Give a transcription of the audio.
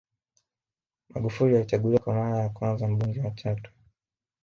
Magufuli alichaguliwa kwa mara ya kwanza Mbunge wa Chato